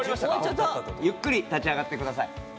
ゆっくり立ち上がってください。